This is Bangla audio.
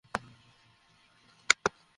উনি মনে করেন যে এই কাজে তুমি মূল্যবান হতে পারো।